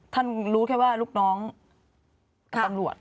รู้แค่ว่าลูกน้องตำรวจ